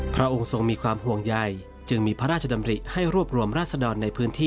พระองค์ทรงมีความห่วงใยจึงมีพระราชดำริให้รวบรวมราศดรในพื้นที่